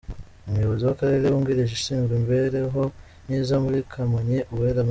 Umuyobozi w’Akarere wungirije ushinzwe imibereho myiza muri Kamonyi, Uwera M.